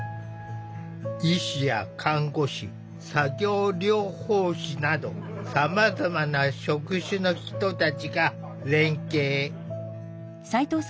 医師や看護師作業療法士などさまざまな職種の人たちが連携。